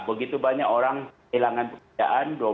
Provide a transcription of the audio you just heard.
begitu banyak orang kehilangan pekerjaan